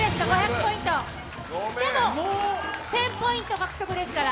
でも１０００ポイント獲得ですから。